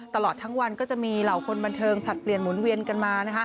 ตลอดทั้งวันก็จะมีเหล่าคนบันเทิงผลัดเปลี่ยนหมุนเวียนกันมา